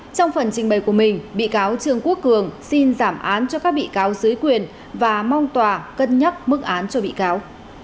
trong phần trình bày của mình bị cáo trương quốc cường xin giảm án cho các bị cáo dưới quyền và mong tòa cân nhắc mức án cho bị cáo